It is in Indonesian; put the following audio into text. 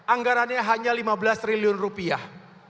anggarannya hanya lima belas triliun rupiah